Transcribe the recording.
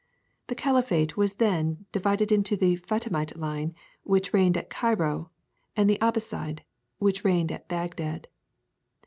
[TN]] The caliphate was then divided into the Fatimite line, which reigned at Cairo, and the Abbaside, which reigned at Baghdad.